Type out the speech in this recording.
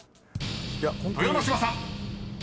［豊ノ島さん］